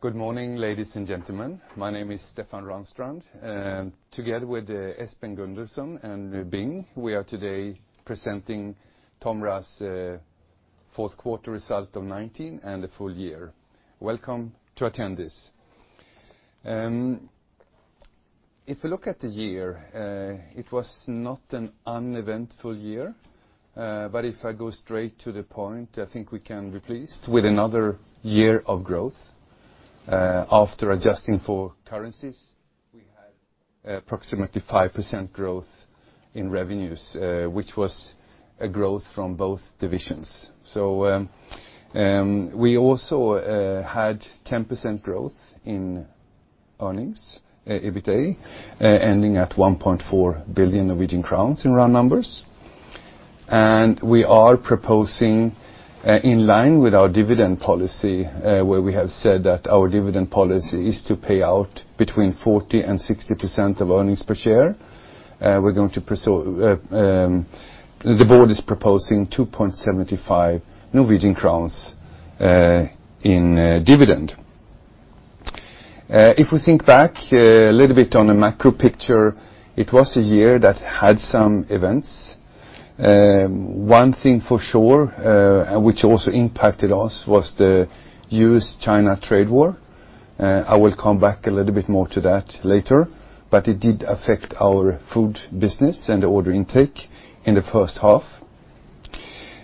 Good morning, ladies and gentlemen. My name is Stefan Ranstrand, and together with Espen Gundersen and Bing, we are today presenting TOMRA's fourth quarter result of 2019 and the full year. Welcome to attend this. If look it the year, It was not uneventful year. If I go straight to the point, I think we can be pleased with another year of growth. After adjusting for currencies, we had approximately 5% growth in revenues, which was a growth from both divisions. We also had 10% growth in earnings, EBITDA, ending at 1.4 billion Norwegian crowns in round numbers. We are proposing, in line with our dividend policy, where we have said that our dividend policy is to pay out between 40% and 60% of earnings per share. The board is proposing 2.75 Norwegian crowns in dividend. If we think back a little bit on the macro picture, it was a year that had some events. One thing for sure, which also impacted us, was the U.S.-China trade war. I will come back a little bit more to that later. It did affect our food business and the order intake in the first half.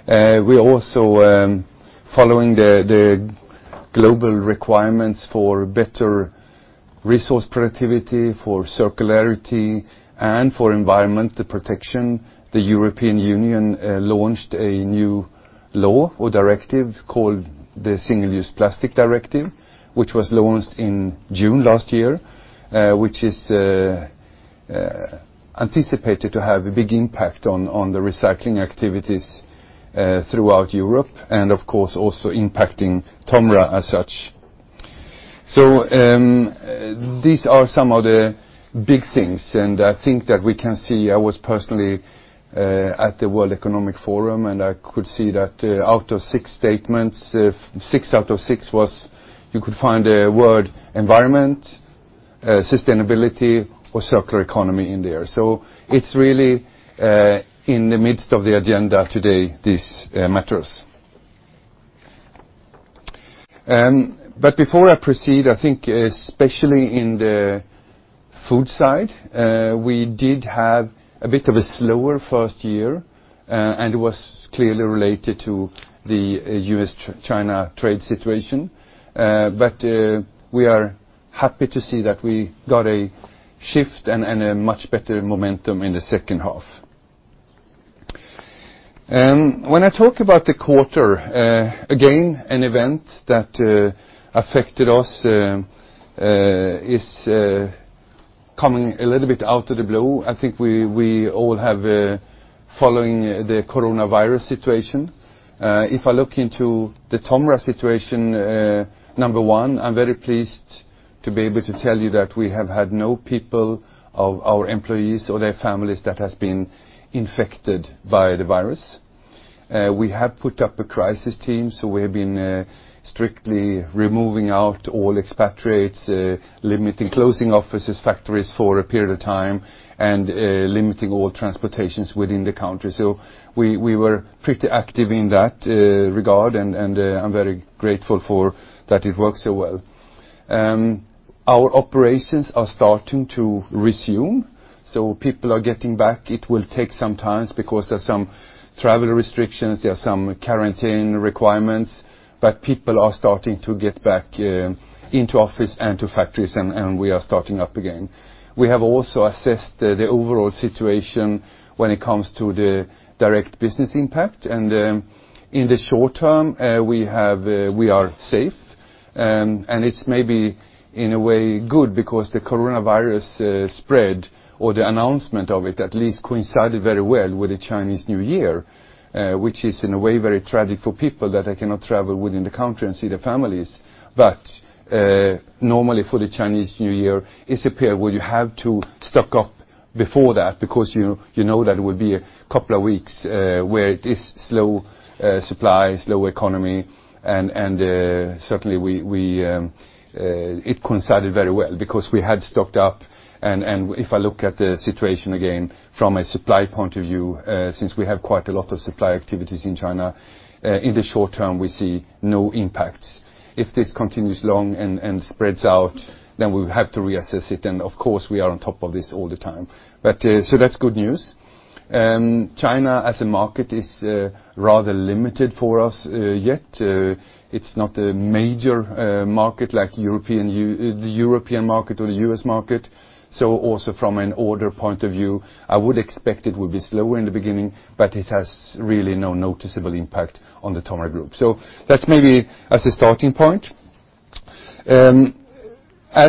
We're also following the global requirements for better resource productivity, for circularity, and for environmental protection. The European Union launched a new law or directive called the Single-Use Plastics Directive, which was launched in June last year, which is anticipated to have a big impact on the recycling activities throughout Europe, and, of course, also impacting TOMRA as such. These are some of the big things, and I think that we can see, I was personally at the World Economic Forum, and I could see that out of six statements, six out of six you could find the word environment, sustainability, or circular economy in there. It's really in the midst of the agenda today, these matters. Before I proceed, I think especially in the food side, we did have a bit of a slower first year, and it was clearly related to the U.S.-China trade situation. We are happy to see that we got a shift and a much better momentum in the second half. When I talk about the quarter, again, an event that affected us is coming a little bit out of the blue. I think we all have following the coronavirus situation. If I look into the TOMRA situation, number one, I'm very pleased to be able to tell you that we have had no people, of our employees or their families, that has been infected by the virus. We have put up a crisis team, so we have been strictly removing out all expatriates, limiting closing offices, factories for a period of time, and limiting all transportations within the country. We were pretty active in that regard, and I'm very grateful that it worked so well. Our operations are starting to resume, so people are getting back. It will take some time because there's some travel restrictions, there are some quarantine requirements, but people are starting to get back into office and to factories, and we are starting up again. We have also assessed the overall situation when it comes to the direct business impact. In the short term, we are safe. It's maybe, in a way, good because the coronavirus spread, or the announcement of it at least, coincided very well with the Chinese New Year, which is, in a way, very tragic for people that they cannot travel within the country and see their families. Normally for the Chinese New Year, it's a period where you have to stock up before that because you know that it will be a couple of weeks where it is slow supply, slow economy, and certainly, it coincided very well because we had stocked up. If I look at the situation again from a supply point of view, since we have quite a lot of supply activities in China, in the short term, we see no impacts. If this continues long and spreads out, then we'll have to reassess it. Of course, we are on top of this all the time. That's good news. China as a market is rather limited for us yet. It's not a major market like the European market or the U.S. market. Also from an order point of view, I would expect it would be slower in the beginning, but it has really no noticeable impact on the TOMRA Group. That's maybe as a starting point.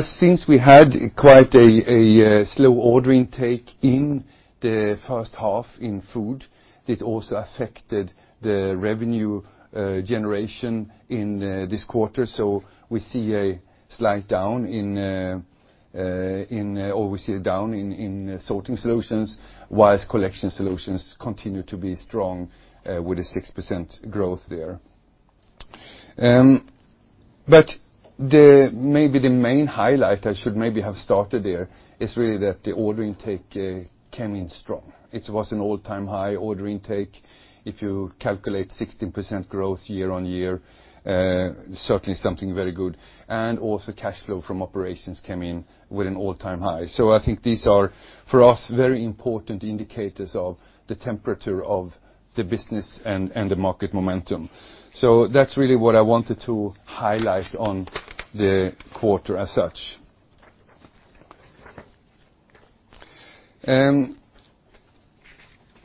Since we had quite a slow order intake in the first half in food, it also affected the revenue generation in this quarter. We see a slight down in Sorting Solutions, whilst Collection Solutions continue to be strong with a 6% growth there. Maybe the main highlight, I should maybe have started there, is really that the order intake came in strong. It was an all-time high order intake. If you calculate 16% growth year-on-year, certainly something very good. Also cash flow from operations came in with an all-time high. I think these are, for us, very important indicators of the temperature of the business and the market momentum. That's really what I wanted to highlight on the quarter as such.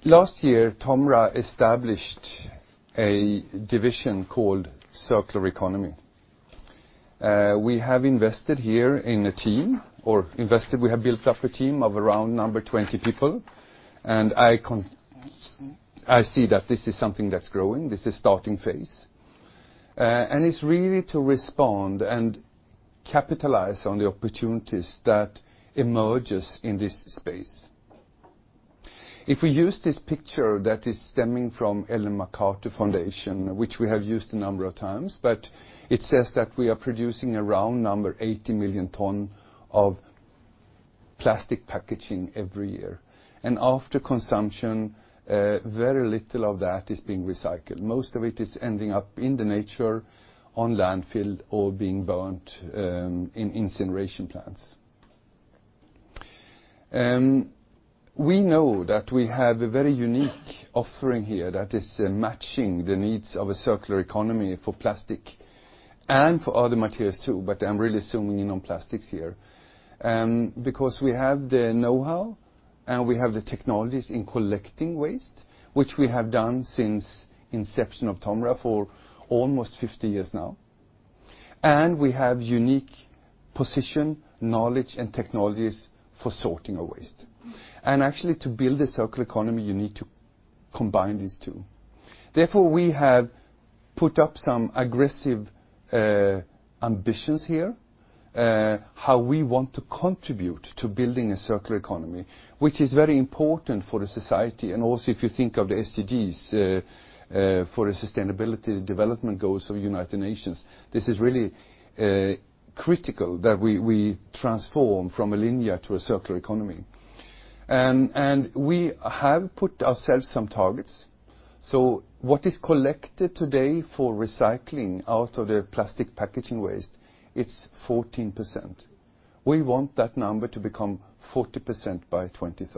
Last year, TOMRA established a division called Circular Economy. We have invested here in a team, or invested we have built up a team of around 20 people, and I see that this is something that's growing. This is starting phase. It's really to respond and capitalize on the opportunities that emerges in this space. If we use this picture that is stemming from Ellen MacArthur Foundation, which we have used a number of times, but it says that we are producing around 80 million tons of plastic packaging every year. After consumption, very little of that is being recycled. Most of it is ending up in nature, in landfills, or being burnt in incineration plants. We know that we have a very unique offering here that is matching the needs of a circular economy for plastic and for other materials, too, but I'm really zooming in on plastics here. We have the know-how and we have the technologies in collecting waste, which we have done since inception of TOMRA for almost 50-years now. We have unique position, knowledge, and technologies for sorting our waste. Actually, to build a circular economy, you need to combine these two. We have put up some aggressive ambitions here, how we want to contribute to building a circular economy, which is very important for the society. Also, if you think of the SDGs, for the Sustainable Development Goals of United Nations, this is really critical that we transform from a linear to a circular economy. We have put ourselves some targets. What is collected today for recycling out of the plastic packaging waste, it's 14%. We want that number to become 40% by 2030.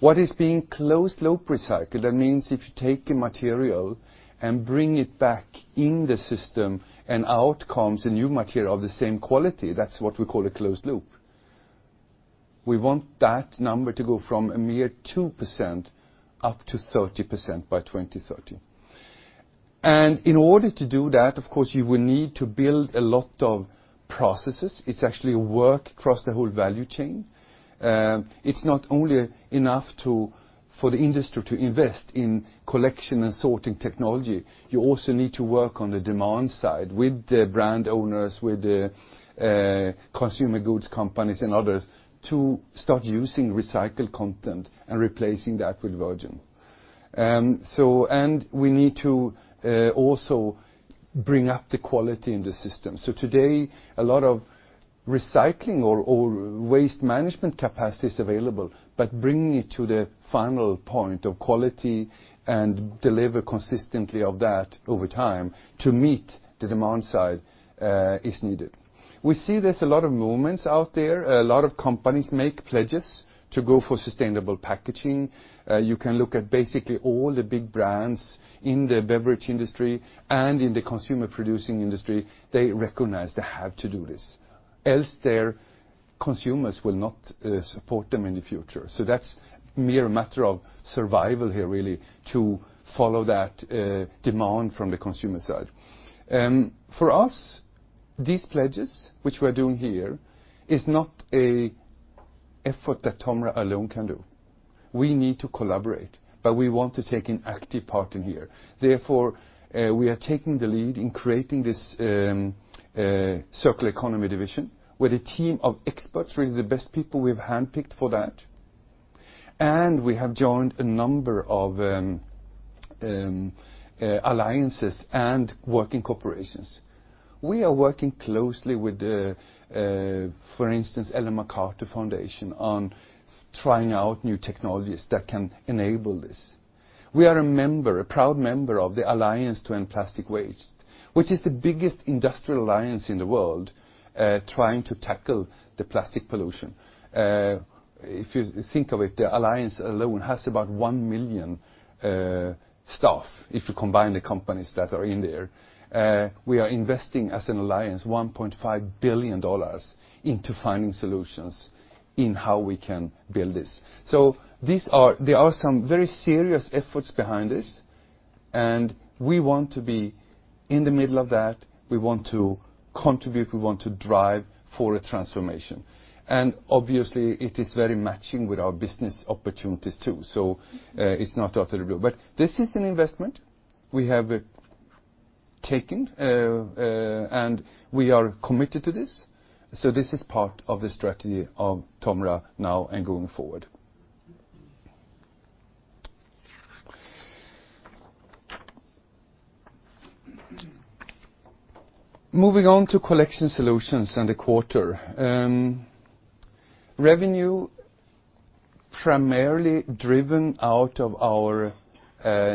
What is being closed loop recycled, that means if you take a material and bring it back in the system and out comes a new material of the same quality, that's what we call a closed loop. We want that number to go from a mere 2% up to 30% by 2030. In order to do that, of course, you will need to build a lot of processes. It's actually a work across the whole value chain. It's not only enough for the industry to invest in collection and sorting technology, you also need to work on the demand side with the brand owners, with the consumer goods companies and others to start using recycled content and replacing that with virgin. We need to also bring up the quality in the system. Today, a lot of recycling or waste management capacity is available, but bringing it to the final point of quality and deliver consistently of that over time to meet the demand side, is needed. We see there's a lot of movements out there. A lot of companies make pledges to go for sustainable packaging. You can look at basically all the big brands in the beverage industry and in the consumer producing industry, they recognize they have to do this, else their consumers will not support them in the future. That's mere matter of survival here, really, to follow that demand from the consumer side. For us, these pledges, which we're doing here, is not a effort that TOMRA alone can do. We need to collaborate, but we want to take an active part in here. We are taking the lead in creating this Circular Economy division with a team of experts, really the best people we've handpicked for that. We have joined a number of alliances and working corporations. We are working closely with, for instance, Ellen MacArthur Foundation on trying out new technologies that can enable this. We are a member, a proud member of the Alliance to End Plastic Waste, which is the biggest industrial alliance in the world, trying to tackle the plastic pollution. If you think of it, the alliance alone has about 1 million staff, if you combine the companies that are in there. We are investing, as an alliance, $1.5 billion into finding solutions in how we can build this. There are some very serious efforts behind this, and we want to be in the middle of that. We want to contribute, we want to drive for a transformation. Obviously it is very matching with our business opportunities, too. It's not out of the blue. This is an investment we have taken and we are committed to this. This is part of the strategy of TOMRA now and going forward. Moving on to Collection Solutions and the quarter. Revenue primarily driven out of our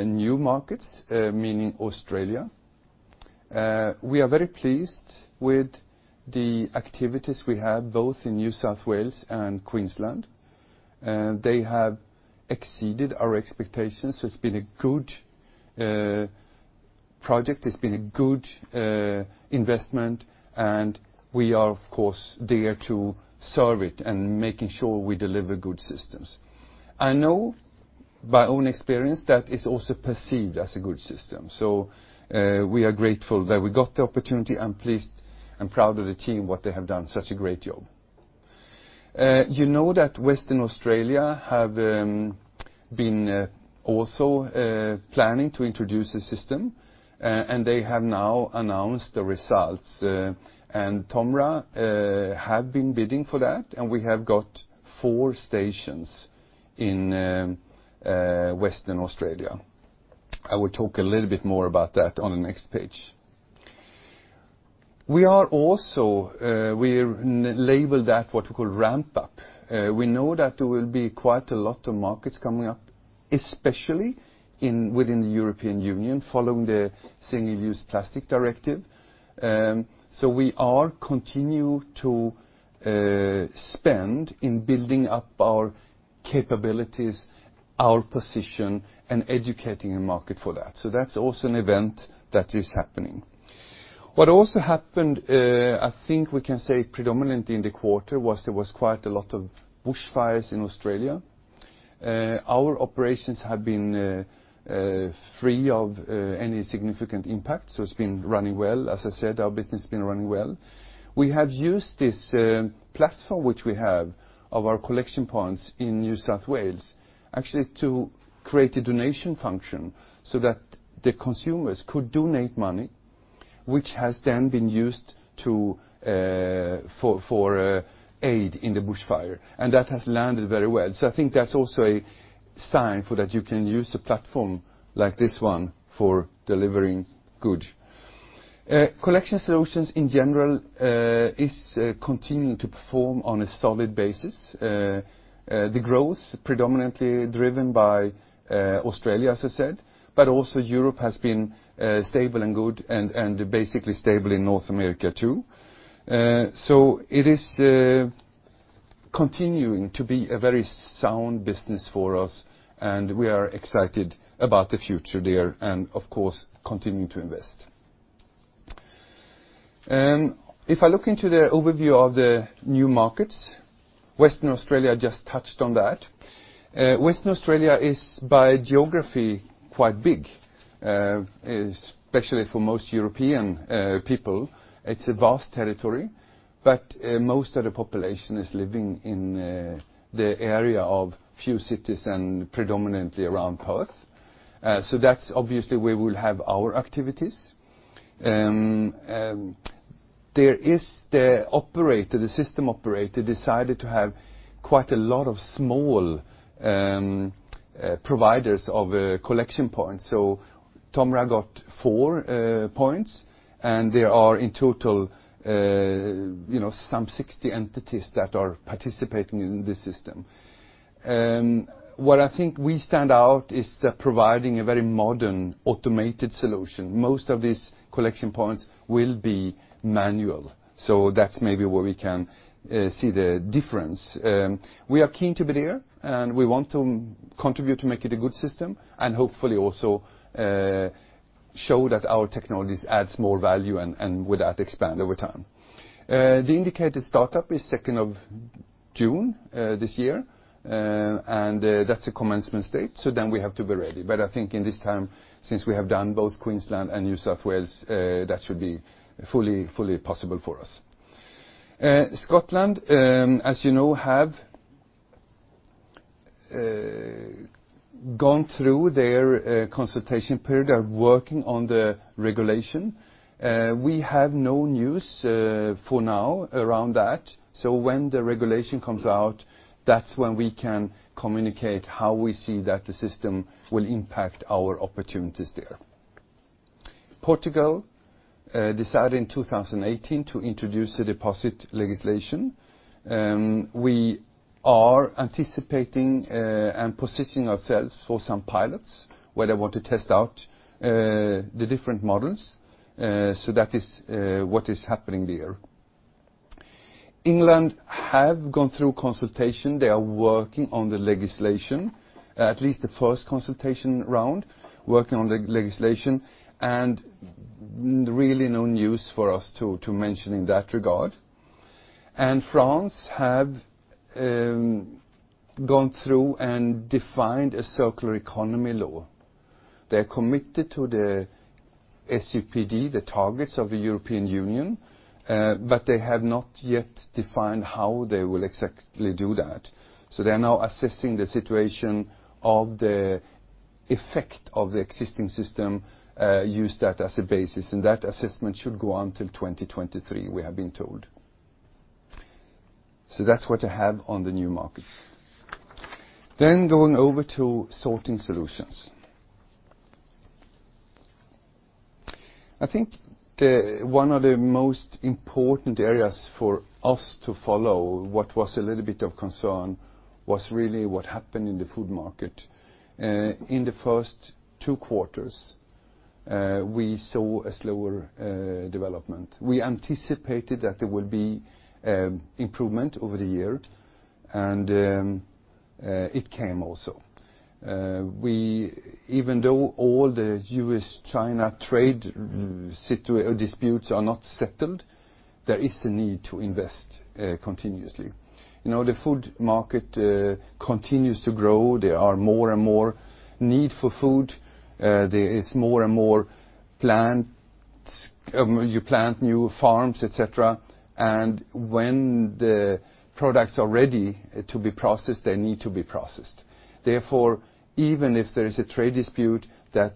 new markets, meaning Australia. We are very pleased with the activities we have both in New South Wales and Queensland. They have exceeded our expectations. It's been a good project, it's been a good investment, and we are, of course, there to serve it and making sure we deliver good systems. I know by own experience that it's also perceived as a good system. We are grateful that we got the opportunity and pleased and proud of the team, what they have done, such a great job. You know that Western Australia have been also planning to introduce a system, and they have now announced the results. TOMRA have been bidding for that, and we have got four stations in Western Australia. I will talk a little bit more about that on the next page. We label that what we call ramp-up. We know that there will be quite a lot of markets coming up, especially within the European Union following the Single-Use Plastics Directive. We are continue to spend in building up our capabilities, our position, and educating the market for that. That's also an event that is happening. What also happened, I think we can say predominantly in the quarter, was there was quite a lot of bushfires in Australia. Our operations have been free of any significant impact, it's been running well. As I said, our business has been running well. We have used this platform which we have of our collection points in New South Wales, actually to create a donation function so that the consumers could donate money, which has then been used for aid in the bushfire, that has landed very well. I think that's also a sign for that you can use a platform like this one for delivering good. Collection Solutions, in general, is continuing to perform on a solid basis. The growth predominantly driven by Australia, as I said, but also Europe has been stable and good and basically stable in North America, too. It is continuing to be a very sound business for us, and we are excited about the future there and, of course, continue to invest. If I look into the overview of the new markets, Western Australia just touched on that. Western Australia is, by geography, quite big, especially for most European people. It's a vast territory, but most of the population is living in the area of few cities and predominantly around Perth. That's obviously where we'll have our activities. The system operator decided to have quite a lot of small providers of collection points. TOMRA got four points, and there are in total some 60 entities that are participating in this system. Where I think we stand out is that providing a very modern, automated solution. Most of these collection points will be manual, so that's maybe where we can see the difference. We are keen to be there, and we want to contribute to make it a good system and hopefully also show that our technologies adds more value and with that expand over time. The indicated startup is 2nd of June this year, and that's a commencement date, so then we have to be ready. I think in this time, since we have done both Queensland and New South Wales, that should be fully possible for us. Scotland, as you know, have gone through their consultation period of working on the regulation. We have no news for now around that. When the regulation comes out, that's when we can communicate how we see that the system will impact our opportunities there. Portugal decided in 2018 to introduce a deposit legislation. We are anticipating and positioning ourselves for some pilots where they want to test out the different models. That is what is happening there. England have gone through consultation. They are working on the legislation, at least the first consultation round, working on the legislation, and really no news for us to mention in that regard. France have gone through and defined a circular economy law. They are committed to the SUPD, the targets of the European Union, but they have not yet defined how they will exactly do that. They are now assessing the situation of the effect of the existing system, use that as a basis, and that assessment should go on till 2023, we have been told. That's what I have on the new markets. Going over to Sorting Solutions. I think one of the most important areas for us to follow, what was a little bit of concern, was really what happened in the food market. In the first two quarters, we saw a slower development. We anticipated that there will be improvement over the year, and it came also. Even though all the U.S.-China trade disputes are not settled, there is the need to invest continuously. The food market continues to grow. There are more and more need for food. There is more and more plants. You plant new farms, et cetera, and when the products are ready to be processed, they need to be processed. Therefore, even if there is a trade dispute that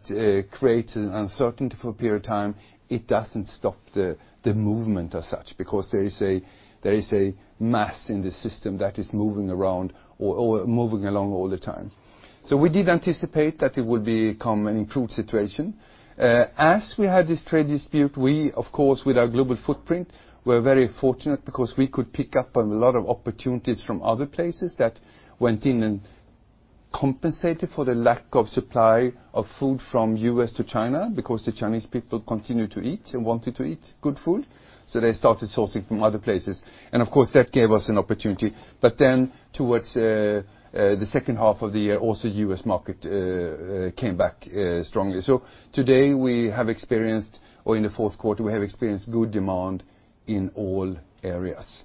creates an uncertainty for a period of time, it doesn't stop the movement as such, because there is a mass in the system that is moving around or moving along all the time. We did anticipate that it would become an improved situation. As we had this trade dispute, we, of course, with our global footprint, were very fortunate because we could pick up on a lot of opportunities from other places that went in and compensated for the lack of supply of food from U.S. to China, because the Chinese people continued to eat and wanted to eat good food. They started sourcing from other places, and of course, that gave us an opportunity. Towards the second half of the year, also U.S. market came back strongly. Today, we have experienced, or in the fourth quarter, we have experienced good demand in all areas.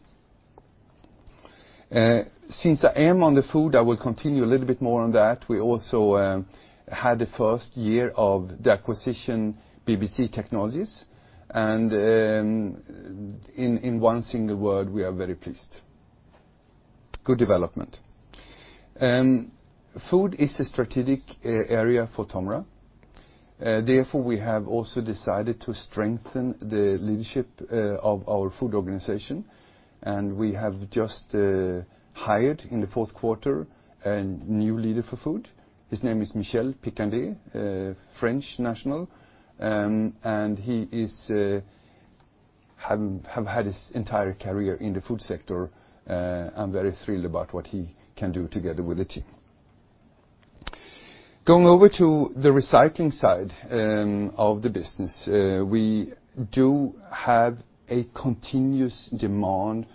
Since I am on the food, I will continue a little bit more on that. We also had the first year of the acquisition, BBC Technologies, and in one single word, we are very pleased. Good development. Food is the strategic area for TOMRA. Therefore, we have also decided to strengthen the leadership of our food organization, and we have just hired in the fourth quarter a new leader for food. His name is Michel Picandet, a French national, and he have had his entire career in the food sector. I'm very thrilled about what he can do together with the team. Going over to the recycling side of the business, we do have a continuous demand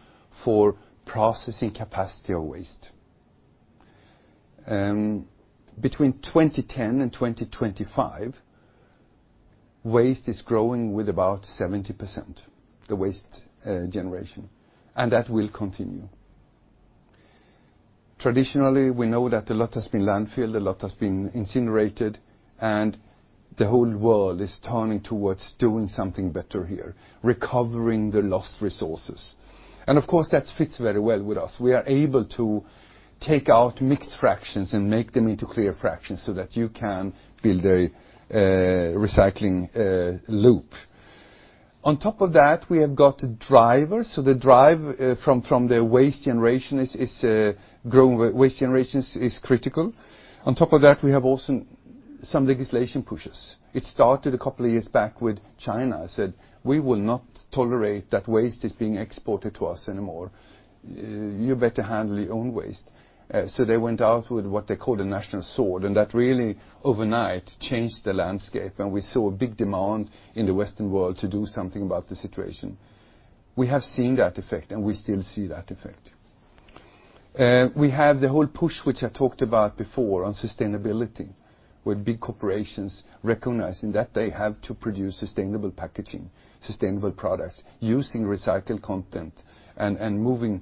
for processing capacity of waste. Between 2010 and 2025, waste is growing with about 70%, the waste generation. That will continue. Traditionally, we know that a lot has been landfilled, a lot has been incinerated. The whole world is turning towards doing something better here, recovering the lost resources. Of course, that fits very well with us. We are able to take out mixed fractions and make them into clear fractions so that you can build a recycling loop. On top of that, we have got drivers. The drive from the waste generation is growing. Waste generation is critical. On top of that, we have also some legislation pushes. It started a couple of years back with China said, "We will not tolerate that waste is being exported to us anymore. You better handle your own waste." They went out with what they called a National Sword, and that really overnight changed the landscape, and we saw a big demand in the Western world to do something about the situation. We have seen that effect, and we still see that effect. We have the whole push, which I talked about before, on sustainability, with big corporations recognizing that they have to produce sustainable packaging, sustainable products using recycled content and moving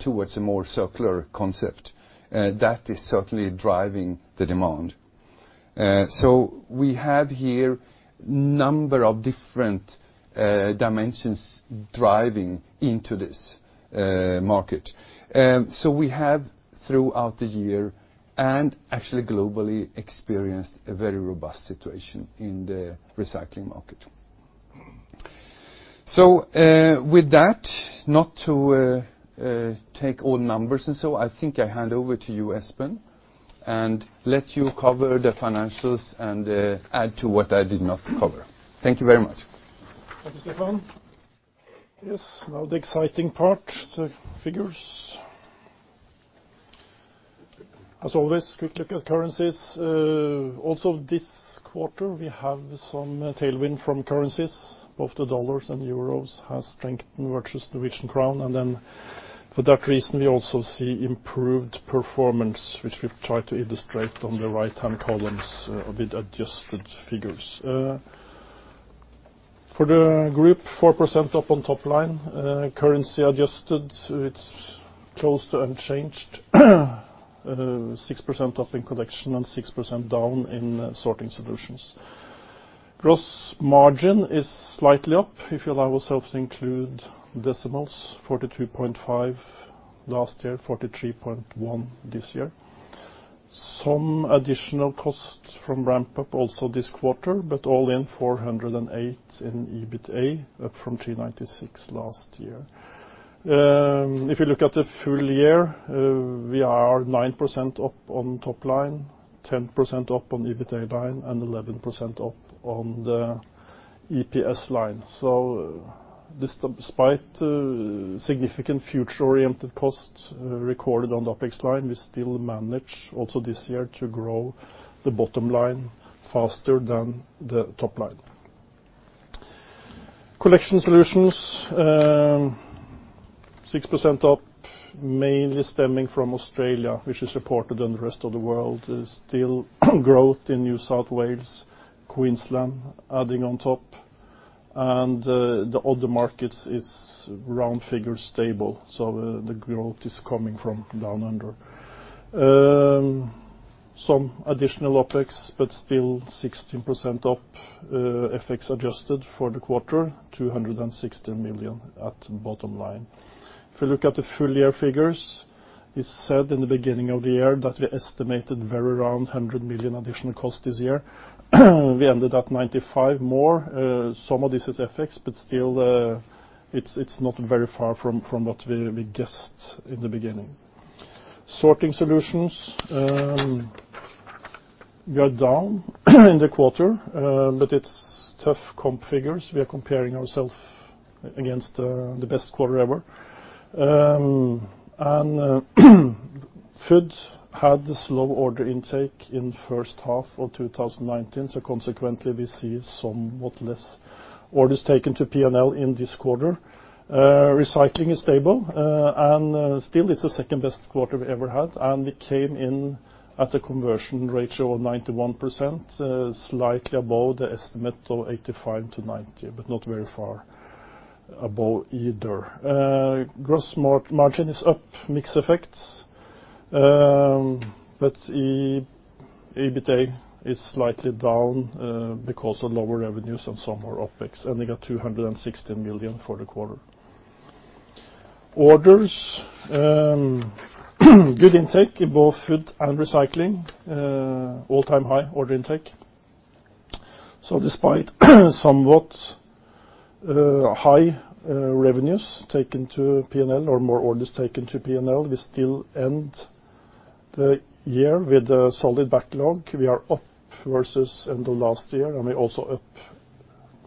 towards a more circular concept. That is certainly driving the demand. We have here number of different dimensions driving into this market. We have, throughout the year and actually globally, experienced a very robust situation in the recycling market. With that, not to take all numbers and so, I think I hand over to you, Espen, and let you cover the financials and add to what I did not cover. Thank you very much. Thank you, Stefan. Yes, now the exciting part, the figures. This quarter, we have some tailwind from currencies. Both the dollars and EUR have strengthened versus Norwegian krone, for that reason, we also see improved performance, which we've tried to illustrate on the right-hand columns with adjusted figures. For the group, 4% up on top line. Currency adjusted, it's close to unchanged. 6% up in collection and 6% down in Sorting Solutions. Gross margin is slightly up, if you allow yourself to include decimals, 42.5% last year, 43.1% this year. Some additional costs from ramp-up also this quarter, all in, 408 in EBITA, up from 396 last year. If you look at the full year, we are 9% up on top line, 10% up on EBITA line, and 11% up on the EPS line. Despite significant future-oriented costs recorded on the OpEx line, we still manage also this year to grow the bottom line faster than the top line. Collection Solutions, 6% up, mainly stemming from Australia, which is reported in the rest of the world. There's still growth in New South Wales, Queensland adding on top. The other markets is round figures stable, so the growth is coming from down under. Some additional OpEx, but still 16% up, FX adjusted for the quarter, 260 million at bottom line. If you look at the full year figures, it's said in the beginning of the year that we estimated very around 100 million additional cost this year. We ended at 95 more. Some of this is FX, but still, it's not very far from what we guessed in the beginning. Sorting Solutions. We are down in the quarter, but it's tough comp figures. We are comparing ourself against the best quarter ever. Food had the slow order intake in the first half of 2019, so consequently, we see somewhat less orders taken to P&L in this quarter. Recycling is stable. Still, it's the second-best quarter we ever had, and we came in at a conversion ratio of 91%, slightly above the estimate of 85%-90%, but not very far above either. Gross margin is up, mix effects. The EBITA is slightly down because of lower revenues and some more OpEx, ending at 260 million for the quarter. Orders. Good intake in both Food and Recycling. All-time high order intake. Despite somewhat high revenues taken to P&L or more orders taken to P&L, we still end the year with a solid backlog. We are up versus end of last year, and we're also up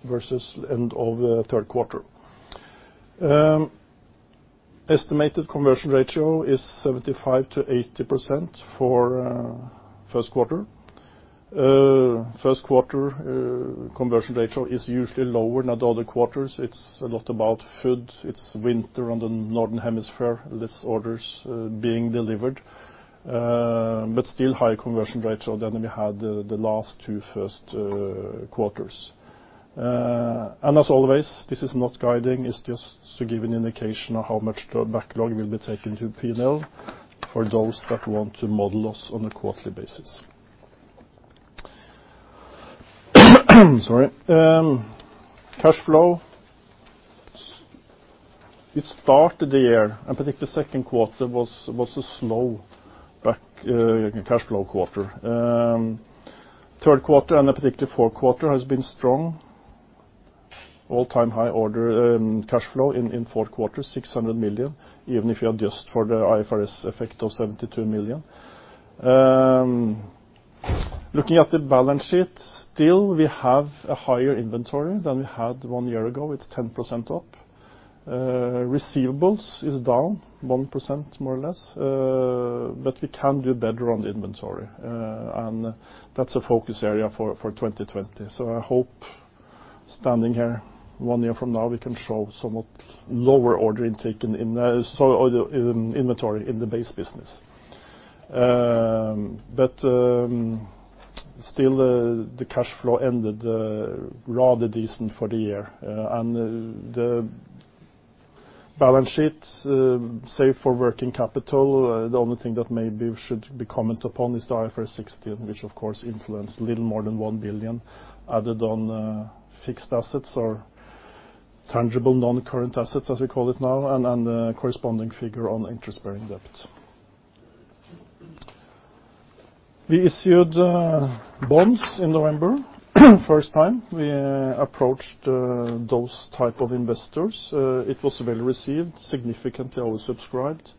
versus end of the third quarter. Estimated conversion ratio is 75%-80% for first quarter. First quarter conversion ratio is usually lower than the other quarters. It's a lot about food. It's winter on the Northern Hemisphere, less orders being delivered. Still high conversion ratio than we had the last two first quarters. As always, this is not guiding. It's just to give an indication of how much the backlog will be taken to P&L for those that want to model us on a quarterly basis. Sorry. Cash flow. It started the year, and particularly second quarter was a slow cash flow quarter. Third quarter and particularly fourth quarter has been strong. All-time high order cash flow in fourth quarter, 600 million, even if you adjust for the IFRS effect of 72 million. Looking at the balance sheet, we have a higher inventory than we had one year ago. It's 10% up. Receivables is down 1%, more or less. We can do better on the inventory. That's a focus area for 2020. I hope standing here one year from now, we can show somewhat lower order intake in the inventory in the base business. Still, the cash flow ended rather decent for the year. The balance sheet, save for working capital, the only thing that maybe should be comment upon is the IFRS 16, which of course influenced a little more than 1 billion added on fixed assets or tangible non-current assets, as we call it now, and the corresponding figure on interest-bearing debt. We issued bonds in November. First time we approached those type of investors. It was well received, significantly oversubscribed.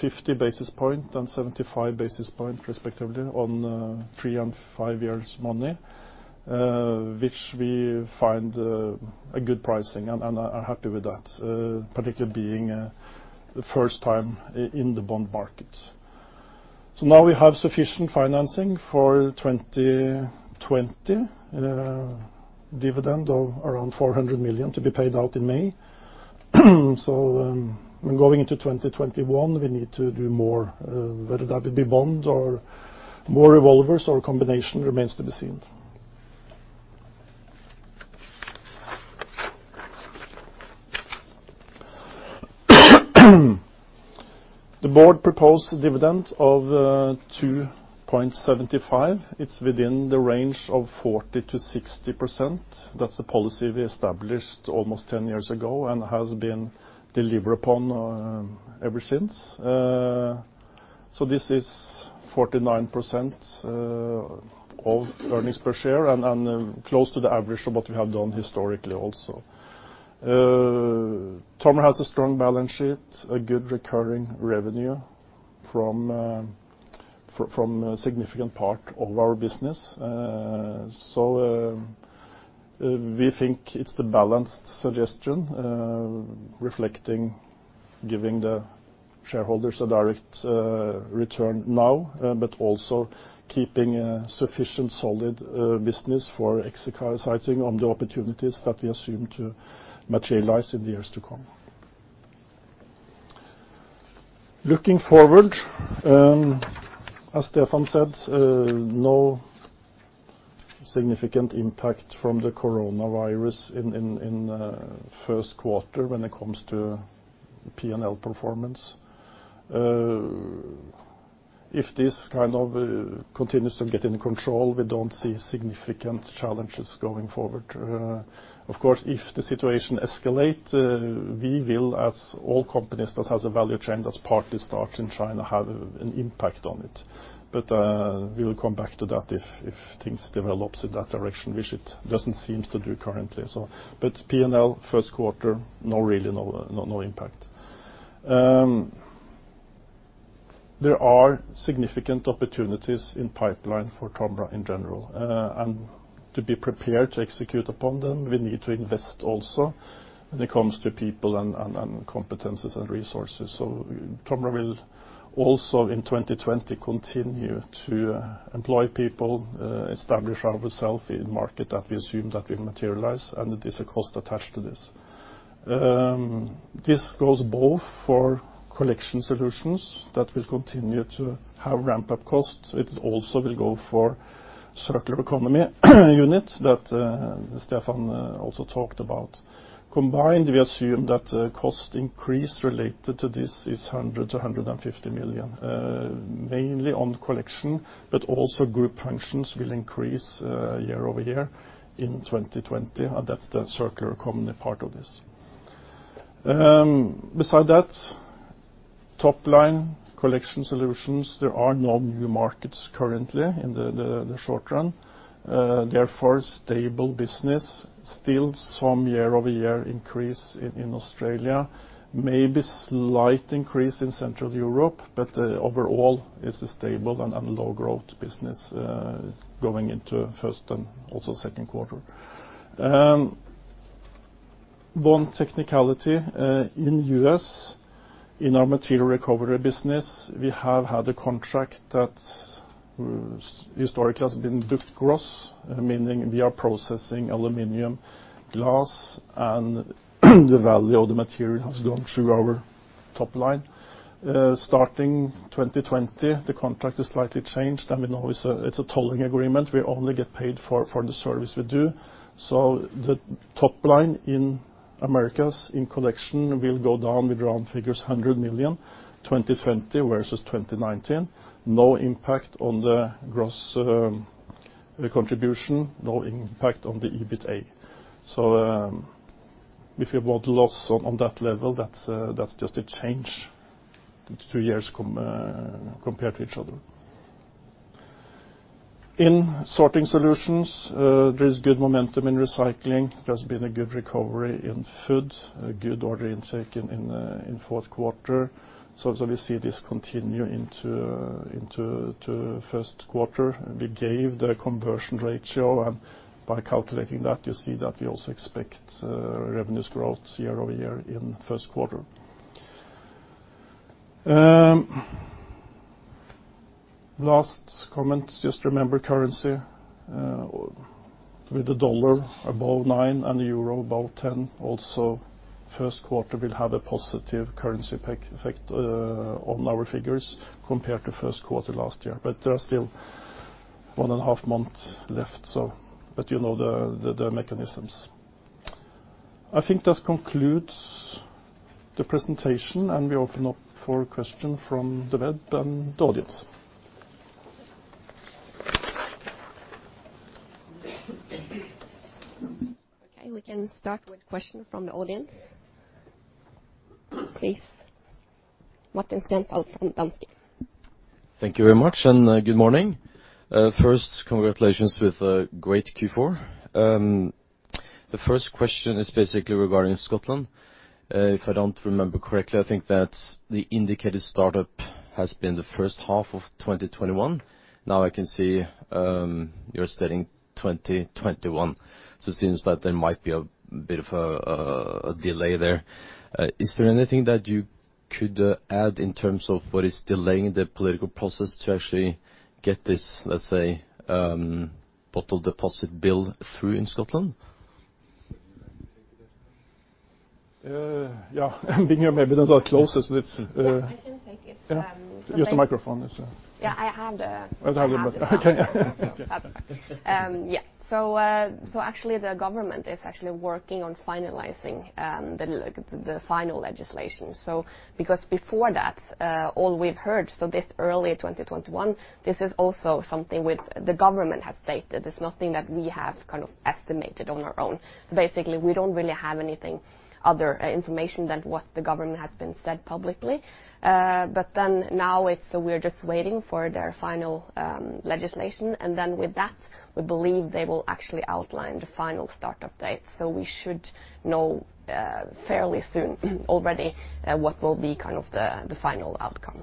50 basis points and 75 basis points, respectively, on three and five years' money, which we find a good pricing and are happy with that, particularly being the first time in the bond market. Now we have sufficient financing for 2020, dividend of around 400 million to be paid out in May. When going into 2021, we need to do more, whether that would be bond or more revolvers or a combination remains to be seen. The board proposed a dividend of 2.75. It's within the range of 40%-60%. That's the policy we established almost 10-years ago and has been delivered upon ever since. This is 49% of earnings per share and close to the average of what we have done historically also. TOMRA has a strong balance sheet, a good recurring revenue from a significant part of our business. We think it's the balanced suggestion, reflecting giving the shareholders a direct return now, but also keeping a sufficient solid business for exercising on the opportunities that we assume to materialize in the years to come. Looking forward, as Stefan said, no significant impact from the coronavirus in the first quarter when it comes to P&L performance. If this kind of continues to get in control, we don't see significant challenges going forward. Of course, if the situation escalate, we will, as all companies that has a value chain that's partly start in China, have an impact on it. We will come back to that if things develops in that direction, which it doesn't seem to do currently. P&L first quarter, no impact. There are significant opportunities in pipeline for TOMRA in general. To be prepared to execute upon them, we need to invest also when it comes to people and competencies and resources. TOMRA will also in 2020, continue to employ people, establish ourself in market that we assume that will materialize, and it is a cost attached to this. This goes both for Collection Solutions that will continue to have ramp-up costs. It also will go for Circular Economy unit that Stefan also talked about. Combined, we assume that cost increase related to this is 100 million-150 million, mainly on collection, but also group functions will increase year-over-year in 2020, and that's the Circular Economy part of this. Beside that, top line Collection Solutions, there are no new markets currently in the short run. Stable business, still some year-over-year increase in Australia, maybe slight increase in Central Europe, but overall, it's a stable and low growth business going into first and also second quarter. One technicality, in U.S., in our material recovery business, we have had a contract that historically has been a bit gross, meaning we are processing aluminum, glass, and the value of the material has gone through our top line. Starting 2020, the contract is slightly changed, we now it's a tolling agreement. We only get paid for the service we do. The top line in Americas in Collection will go down with round figures, 100 million, 2020 versus 2019. No impact on the gross contribution. No impact on the EBITA. If you want loss on that level, that's just a change two years compared to each other. In Sorting Solutions, there is good momentum in recycling. There's been a good recovery in food, a good order intake in fourth quarter. We see this continue into first quarter. We gave the conversion ratio, and by calculating that, you see that we also expect revenues growth year-over-year in first quarter. Last comment, just remember currency. With the US doldollar above nine and the euro above 10, also first quarter will have a positive currency effect on our figures compared to first quarter last year. There are still one and a half months left. You know the mechanisms. I think that concludes the presentation, and we open up for question from the web and the audience. Okay, we can start with question from the audience. Please. Martin Stenshall from Danske. Thank you very much, and good morning. First, congratulations with a great Q4. The first question is basically regarding Scotland. If I don't remember correctly, I think that the indicated startup has been the first half of 2021. Now I can see you're stating 2021. It seems that there might be a bit of a delay there. Is there anything that you-Could add in terms of what is delaying the political process to actually get this, let's say, bottle deposit bill through in Scotland? Yeah. Would you like to take this, Bing? Yes. And Bing, maybe that's the closest that's. Yeah, I can take it. Yeah. like. Use the microphone. Yeah, I have. Okay. I have that. Yeah. Actually the government is actually working on finalizing the final legislation. Because before that, all we've heard, this early 2021, this is also something with the government has stated, it's nothing that we have kind of estimated on our own. Basically, we don't really have anything other information than what the government has been said publicly. Now it's we're just waiting for their final legislation, and then with that, we believe they will actually outline the final start-up date. We should know fairly soon already what will be kind of the final outcome.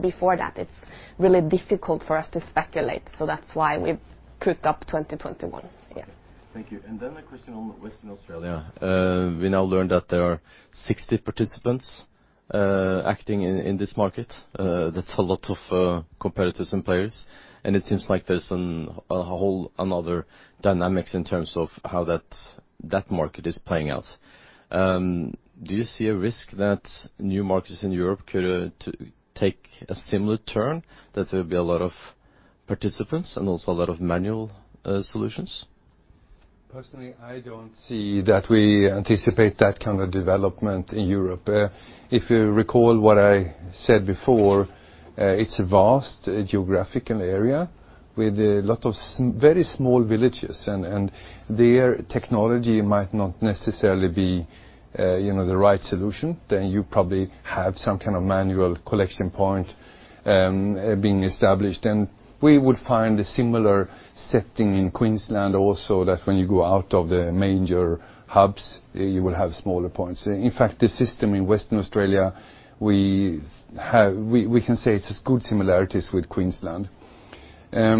Before that, it's really difficult for us to speculate, that's why we've cooked up 2021. Yeah. Thank you. A question on Western Australia. We now learned that there are 60 participants acting in this market. That's a lot of competitors and players. It seems like there's a whole another dynamics in terms of how that market is playing out. Do you see a risk that new markets in Europe could take a similar turn, that there'll be a lot of participants and also a lot of manual solutions? Personally, I don't see that we anticipate that kind of development in Europe. If you recall what I said before, it's a vast geographical area with a lot of very small villages. There technology might not necessarily be the right solution. You probably have some kind of manual collection point being established. We would find a similar setting in Queensland also, that when you go out of the major hubs, you will have smaller points. In fact, the system in Western Australia, we can say it has good similarities with Queensland. We are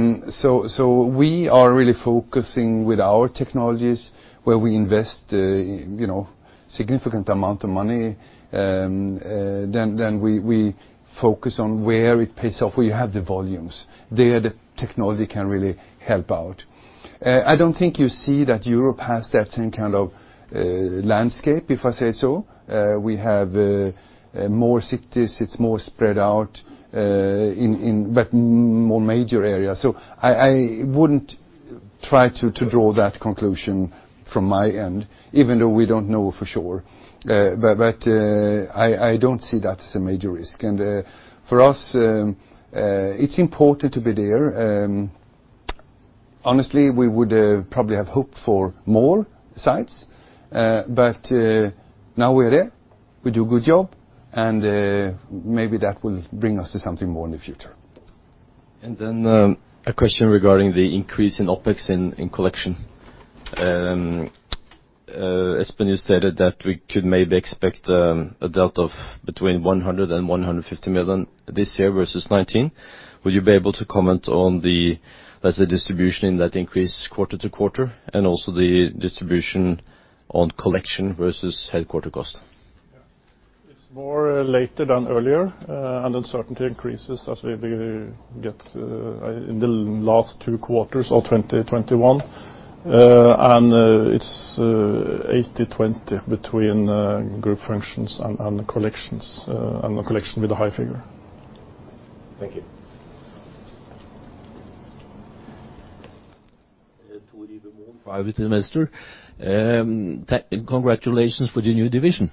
really focusing with our technologies where we invest significant amount of money. We focus on where it pays off, where you have the volumes. There the technology can really help out. I don't think you see that Europe has that same kind of landscape, if I say so. We have more cities, it's more spread out in but more major areas. I wouldn't try to draw that conclusion from my end, even though we don't know for sure. I don't see that as a major risk. For us, it's important to be there. Honestly, we would probably have hoped for more sites. Now we're there. We do a good job, and maybe that will bring us to something more in the future. A question regarding the increase in OpEx in Collection. Espen, you stated that we could maybe expect a delta of between 100 million and 150 million this year versus 2019. Will you be able to comment on the, let's say, distribution in that increase quarter-to-quarter, and also the distribution on Collection versus headquarters cost? Yeah. It's more later than earlier, and uncertainty increases as we get in the last two quarters of 2021. It's 80/20 between group functions and the Collection, and the Collection be the high figure. Thank you. Tor-Ivar Moland, private investor. Congratulations for the new division.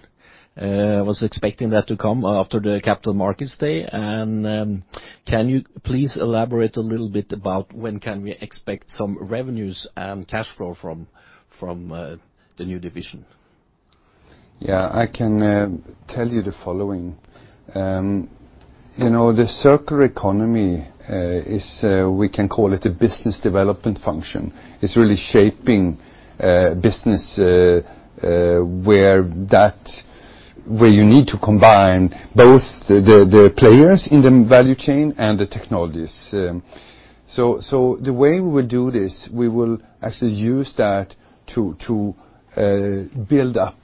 I was expecting that to come after the Capital Markets Day. Can you please elaborate a little bit about when can we expect some revenues and cash flow from the new division? Yeah. I can tell you the following. The Circular Economy is we can call it a business development function. It's really shaping business, where you need to combine both the players in the value chain and the technologies. The way we will do this, we will actually use that to build up,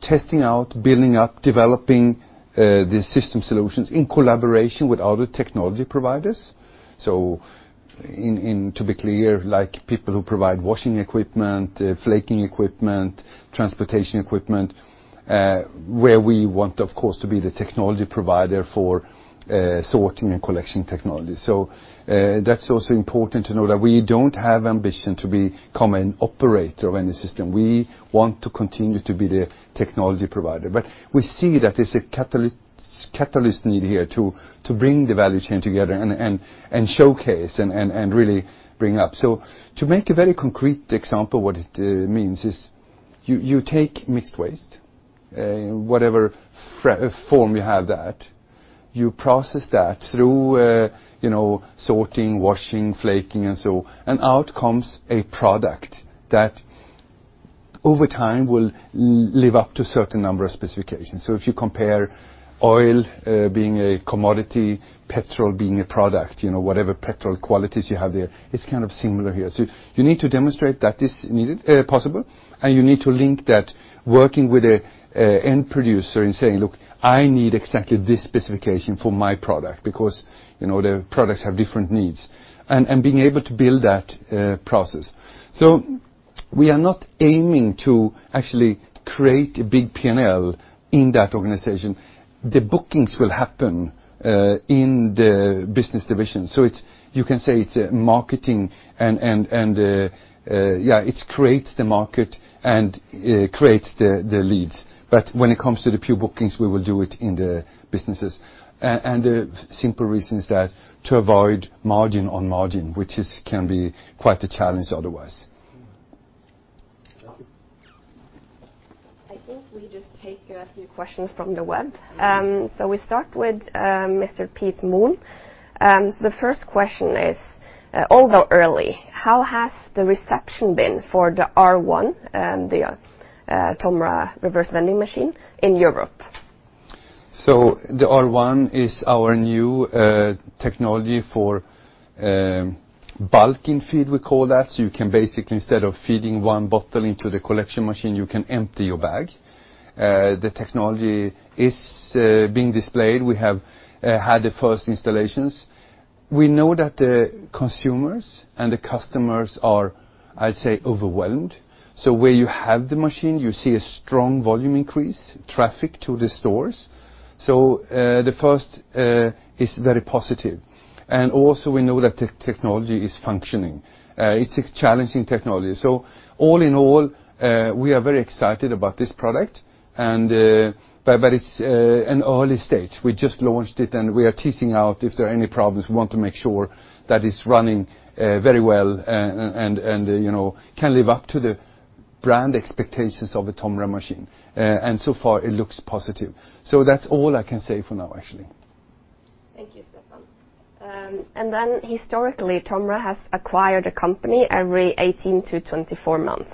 testing out, building up, developing the system solutions in collaboration with other technology providers. In, to be clear, like people who provide washing equipment, flaking equipment, transportation equipment, where we want, of course, to be the technology provider for sorting and collection technology. That's also important to know that we don't have ambition to become an operator of any system. We want to continue to be the technology provider. We see that there's a catalyst need here to bring the value chain together and showcase. To make a very concrete example, what it means is you take mixed waste, whatever form you have that, you process that through sorting, washing, flaking, and so on. Out comes a product that, over time, we'll live up to a certain number of specifications. If you compare oil being a commodity, petrol being a product, whatever petrol qualities you have there, it's kind of similar here. You need to demonstrate that it's possible, and you need to link that working with an end producer and saying, "Look, I need exactly this specification for my product," because the products have different needs, and being able to build that process. We are not aiming to actually create a big P&L in that organization. The bookings will happen in the business division. You can say it's marketing and, yeah, it creates the market and creates the leads. When it comes to the pure bookings, we will do it in the businesses. The simple reason is that to avoid margin on margin, which can be quite a challenge otherwise. Thank you. I think we just take a few questions from the web. We start with Mr. Pete Moon. The first question is, although early, how has the reception been for the R1 and the TOMRA reverse vending machine in Europe? The R1 is our new technology for bulk feed, we call that. You can basically, instead of feeding one bottle into the collection machine, you can empty your bag. The technology is being displayed. We have had the first installations. We know that the consumers and the customers are, I'd say, overwhelmed. Where you have the machine, you see a strong volume increase, traffic to the stores. The first is very positive. We know that the technology is functioning. It's a challenging technology. All in all, we are very excited about this product, but it's an early stage. We just launched it, and we are teasing out if there are any problems. We want to make sure that it's running very well and can live up to the brand expectations of a TOMRA machine. So far it looks positive. That's all I can say for now, actually. Thank you, Stefan. Historically, TOMRA has acquired a company every 18-24 months.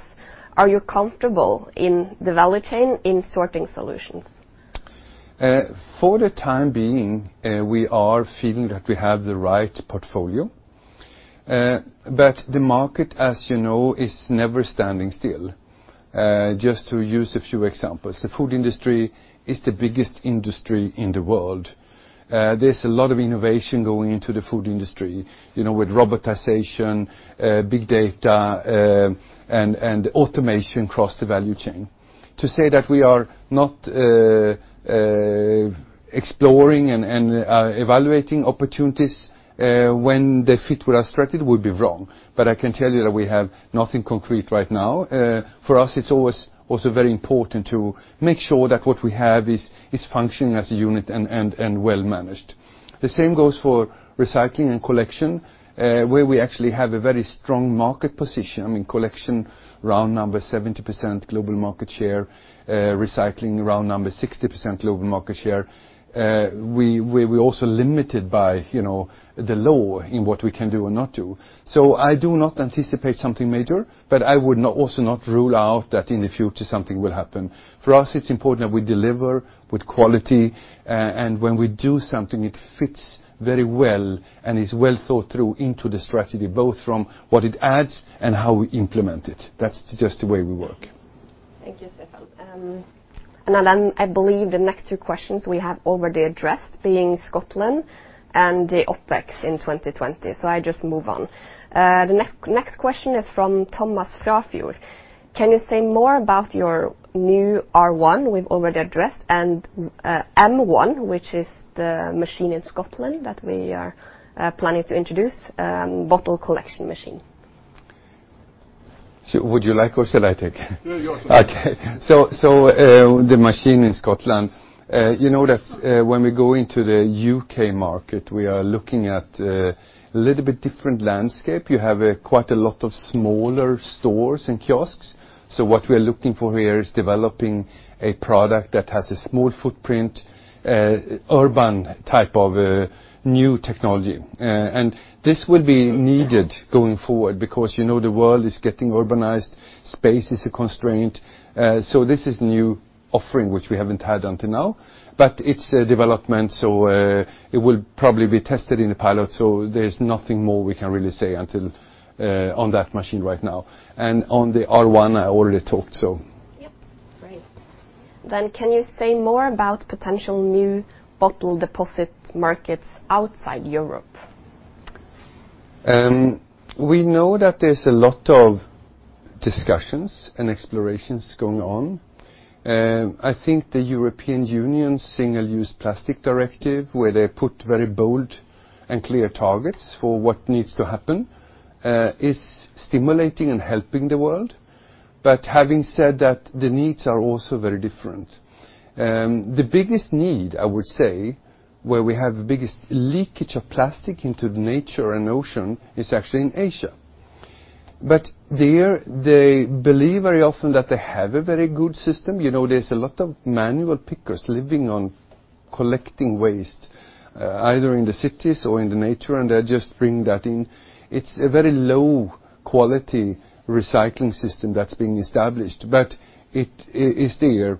Are you comfortable in the value chain in Sorting Solutions? For the time being, we are feeling that we have the right portfolio. The market, as you know, is never standing still. Just to use a few examples, the food industry is the biggest industry in the world. There's a lot of innovation going into the food industry, with robotization, big data, and automation across the value chain. To say that we are not exploring and evaluating opportunities, when they fit with our strategy, would be wrong. I can tell you that we have nothing concrete right now. For us, it's always also very important to make sure that what we have is functioning as a unit and well managed. The same goes for recycling and collection, where we actually have a very strong market position. I mean, collection, round number 70% global market share, recycling round number 60% global market share. We're also limited by the law in what we can do and not do. I do not anticipate something major, but I would also not rule out that in the future something will happen. For us, it's important that we deliver with quality, and when we do something, it fits very well and is well thought through into the strategy, both from what it adds and how we implement it. That's just the way we work. Thank you, Stefan. I believe the next two questions we have already addressed, being Scotland and the OpEx in 2020. I just move on. The next question is from Thomas Garfield. Can you say more about your new R1 we've already addressed and M1, which is the machine in Scotland that we are planning to introduce, bottle collection machine? Would you like, or shall I take? Still yours. Okay. The machine in Scotland, you know that when we go into the U.K. market, we are looking at a little bit different landscape. You have quite a lot of smaller stores and kiosks. What we're looking for here is developing a product that has a small footprint, urban type of new technology. This will be needed going forward because the world is getting urbanized. Space is a constraint. This is new offering, which we haven't had until now, but it's a development, so it will probably be tested in the pilot. There's nothing more we can really say on that machine right now. On the R1, I already talked. Yep, great. Can you say more about potential new bottle deposit markets outside Europe? We know that there's a lot of discussions and explorations going on. I think the European Union's Single-Use Plastics Directive, where they put very bold and clear targets for what needs to happen, is stimulating and helping the world. Having said that, the needs are also very different. The biggest need, I would say, where we have the biggest leakage of plastic into the nature and ocean is actually in Asia. There, they believe very often that they have a very good system. There's a lot of manual pickers living on collecting waste, either in the cities or in the nature, and they just bring that in. It's a very low-quality recycling system that's being established, but it is there.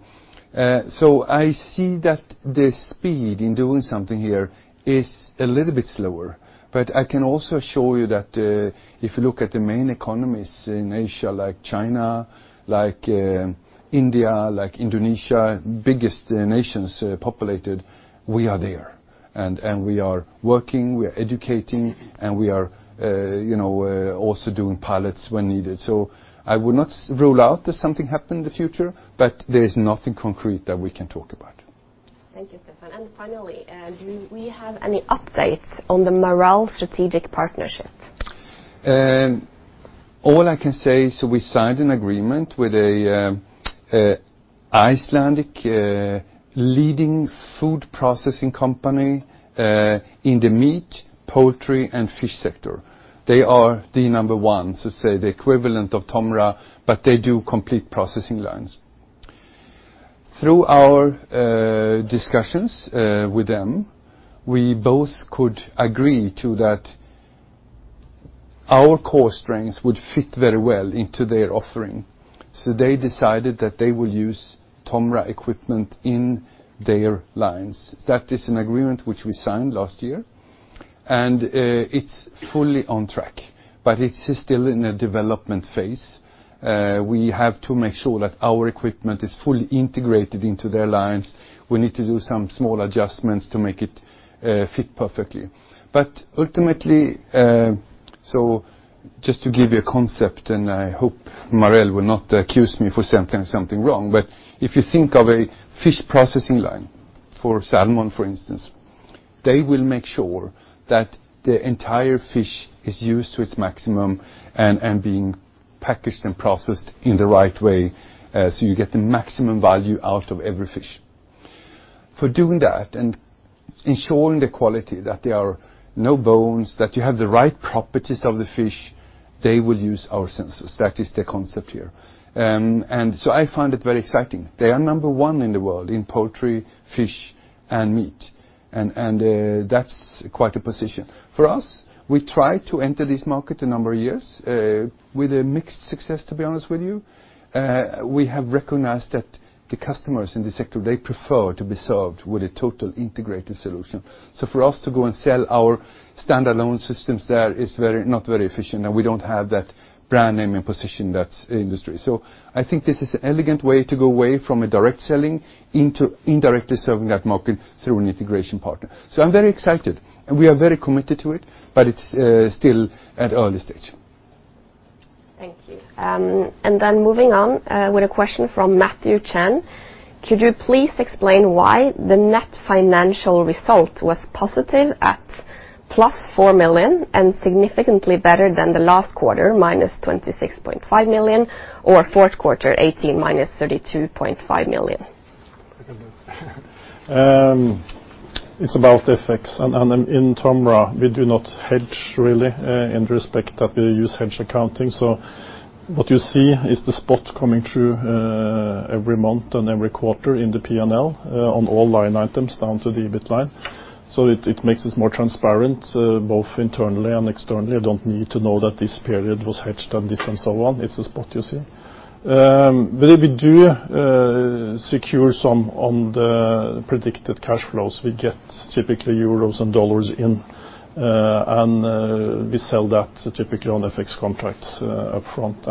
I see that the speed in doing something here is a little bit slower, but I can also show you that if you look at the main economies in Asia, like China, like India, like Indonesia, biggest nations populated, we are there. We are working, we are educating, and we are also doing pilots when needed. I would not rule out that something happen in the future, but there is nothing concrete that we can talk about. Thank you, Stefan. Finally, do we have any updates on the Marel strategic partnership? All I can say is we signed an agreement with an Icelandic leading food processing company, in the meat, poultry, and fish sector. They are the number one, so say, the equivalent of TOMRA, but they do complete processing lines. Through our discussions with them, we both could agree to that our core strengths would fit very well into their offering. They decided that they will use TOMRA equipment in their lines. That is an agreement which we signed last year. It's fully on track. It's still in a development phase. We have to make sure that our equipment is fully integrated into their lines. We need to do some small adjustments to make it fit perfectly. Ultimately, just to give you a concept, and I hope Marel will not accuse me for saying something wrong, but if you think of a fish processing line for salmon, for instance, they will make sure that the entire fish is used to its maximum and being packaged and processed in the right way, so you get the maximum value out of every fish. For doing that and ensuring the quality, that there are no bones, that you have the right properties of the fish, they will use our sensors. That is the concept here. I find it very exciting. They are number one in the world in poultry, fish, and meat, and that's quite a position. For us, we try to enter this market a number of years, with a mixed success, to be honest with you. We have recognized that the customers in the sector, they prefer to be served with a total integrated solution. For us to go and sell our standalone systems there is not very efficient, and we don't have that brand name and position in that industry. I think this is an elegant way to go away from a direct selling into indirectly serving that market through an integration partner. I'm very excited, and we are very committed to it, but it's still at early stage. Thank you. Then moving on, with a question from Matthew Chen. Could you please explain why the net financial result was positive at plus 4 million and significantly better than the last quarter, minus 26.5 million, or fourth quarter 2018, minus 32.5 million? I can do it. It's about the FX. In TOMRA, we do not hedge really, in respect that we use hedge accounting. What you see is the spot coming through, every month and every quarter in the P&L, on all line items down to the EBIT line. It makes us more transparent, both internally and externally. I don't need to know that this period was hedged and this and so on. It's the spot you see. We do secure some on the predicted cash flows. We get typically euros and US dollars in, and we sell that typically on FX contracts upfront.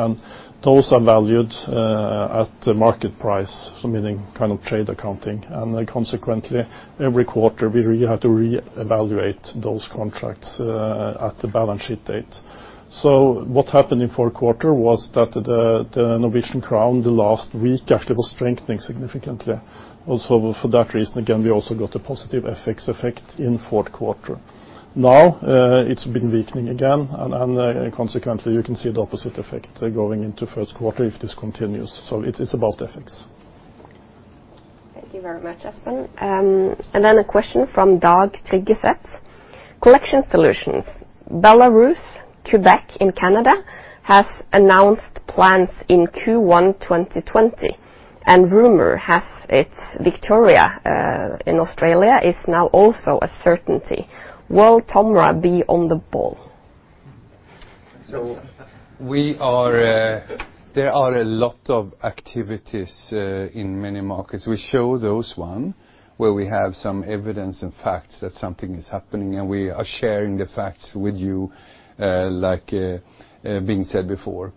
Those are valued at the market price, so meaning kind of trade accounting. Consequently, every quarter we really have to reevaluate those contracts at the balance sheet date. What happened in fourth quarter was that the Norwegian krone the last week actually was strengthening significantly. For that reason, again, we also got a positive FX effect in fourth quarter. It's been weakening again, and consequently you can see the opposite effect going into first quarter if this continues. It is about FX. Thank you very much, Espen. A question from Dag Trygaset. Collection solutions. Belarus, Quebec in Canada, has announced plans in Q1 2020, and rumor has it Victoria in Australia is now also a certainty. Will TOMRA be on the ball? There are a lot of activities in many markets. We show those one where we have some evidence and facts that something is happening, and we are sharing the facts with you, like Bing said before.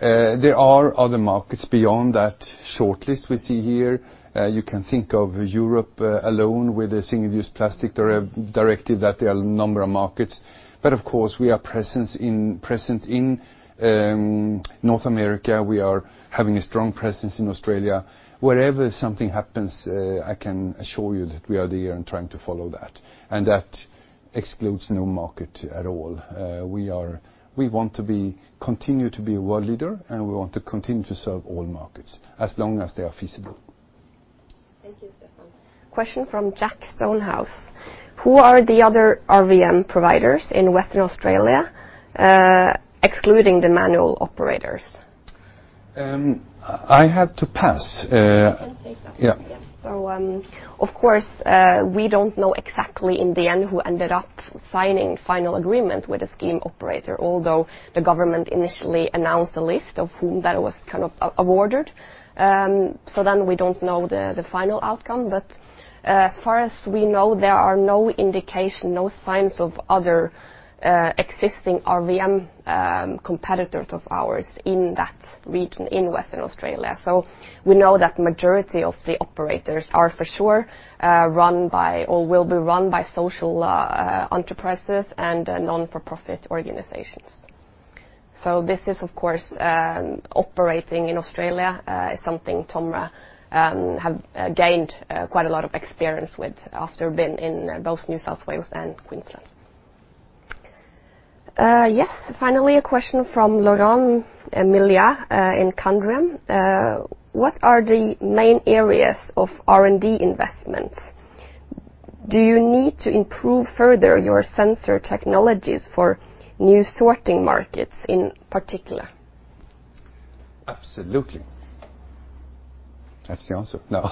There are other markets beyond that short list we see here. You can think of Europe, alone with the Single-Use Plastics Directive, that there are a number of markets. Of course, we are present in North America. We are having a strong presence in Australia. Wherever something happens, I can assure you that we are there and trying to follow that, and that excludes no market at all. We want to continue to be a world leader, and we want to continue to serve all markets as long as they are feasible. Thank you, Stefan. Question from Jack Stonehouse. Who are the other RVM providers in Western Australia, excluding the manual operators? I have to pass. I can take that. Yeah. Of course, we don't know exactly in the end who ended up signing final agreement with the scheme operator, although the government initially announced a list of whom that was awarded. We don't know the final outcome, but as far as we know, there are no indication, no signs of other existing RVM competitors of ours in that region in Western Australia. We know that majority of the operators are for sure run by or will be run by social enterprises and not-for-profit organizations. This is, of course, operating in Australia, is something TOMRA have gained quite a lot of experience with after being in both New South Wales and Queensland. Yes. Finally, a question from Laurent Milliat in Candriam. "What are the main areas of R&D investments? Do you need to improve further your sensor technologies for new sorting markets in particular? Absolutely. That's the answer. No.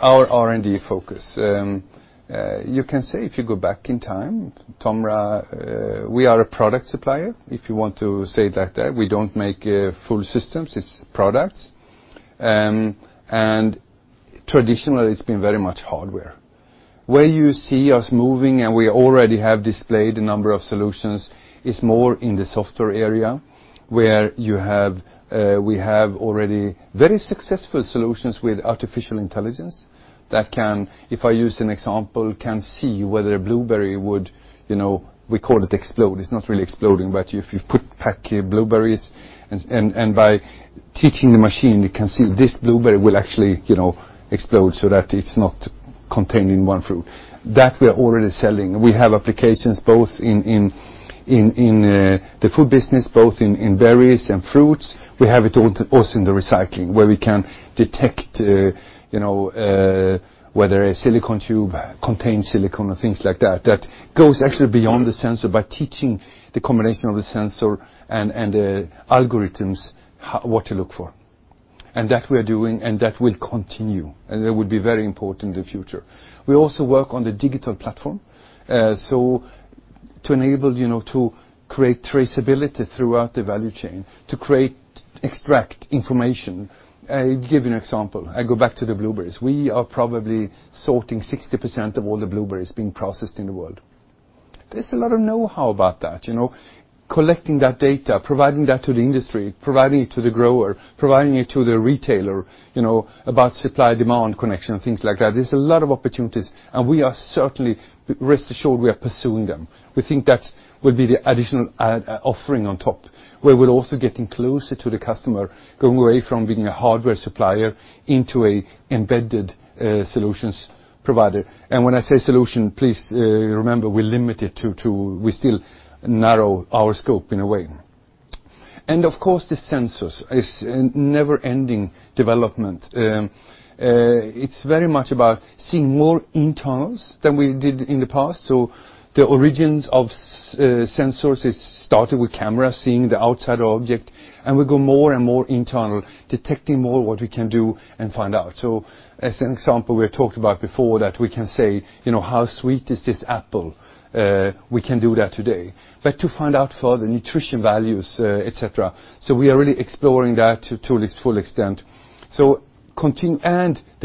Our R&D focus. You can say, if you go back in time, TOMRA, we are a product supplier, if you want to say it like that. We don't make full systems, it's products. Traditionally, it's been very much hardware. Where you see us moving, and we already have displayed a number of solutions, is more in the software area, where we have already very successful solutions with artificial intelligence that can, if I use an example, can see whether a blueberry would, we call it explode. It's not really exploding, but if you pack blueberries and by teaching the machine, it can see this blueberry will actually explode so that it's not contained in one fruit. That we are already selling. We have applications both in the food business, both in berries and fruits. We have it also in the recycling, where we can detect whether a silicon tube contains silicon and things like that. That goes actually beyond the sensor by teaching the combination of the sensor and the algorithms what to look for. That we are doing, and that will continue, and that will be very important in the future. We also work on the digital platform. To enable to create traceability throughout the value chain, to extract information. I give you an example. I go back to the blueberries. We are probably sorting 60% of all the blueberries being processed in the world. There's a lot of know-how about that. Collecting that data, providing that to the industry, providing it to the grower, providing it to the retailer, about supply-demand connection and things like that. There's a lot of opportunities, and we are certainly, rest assured, we are pursuing them. We think that will be the additional offering on top, where we're also getting closer to the customer, going away from being a hardware supplier into an embedded solutions provider. When I say solution, please remember we limit it to, we still narrow our scope in a way. Of course, the sensors is a never-ending development. It's very much about seeing more internals than we did in the past. The origins of sensors, it started with cameras seeing the outside object, and we go more and more internal, detecting more what we can do and find out. As an example, we had talked about before that we can say, "How sweet is this apple?" We can do that today. To find out further nutrition values, et cetera. We are really exploring that to this full extent. The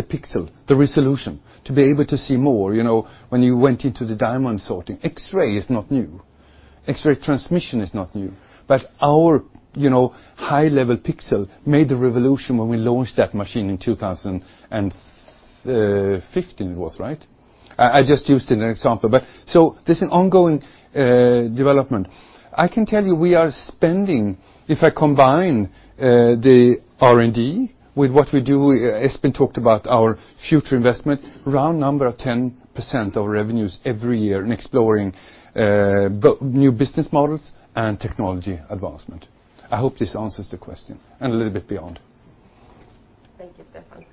pixel, the resolution, to be able to see more. When you went into the diamond sorting, X-ray is not new. X-ray transmission is not new. Our high-level pixel made the revolution when we launched that machine in 2015, it was right? I just used it as an example. There's an ongoing development. I can tell you we are spending, if I combine the R&D with what we do, Espen talked about our future investment, round number of 10% of revenues every year in exploring new business models and technology advancement. I hope this answers the question and a little bit beyond. Thank you, Stefan.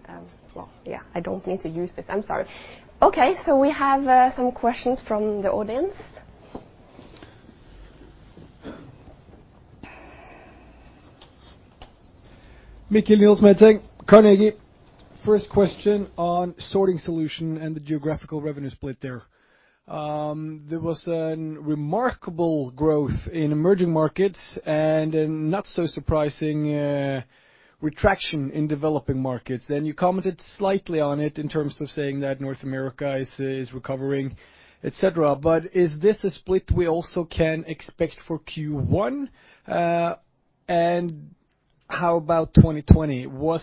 Well, yeah, I don't need to use this. I'm sorry. Okay, we have some questions from the audience. Mikkel Nyholt, Carnegie. First question on Sorting Solutions and the geographical revenue split there. There was a remarkable growth in emerging markets and a not so surprising retraction in developing markets. You commented slightly on it in terms of saying that North America is recovering, et cetera. Is this a split we also can expect for Q1? How about 2020? What